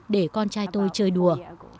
để con trai tôi chơi đùa